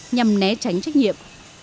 nhằm né tránh trách nhiệm